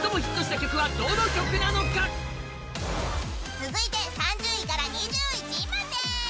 続いて３０位から２１位まで。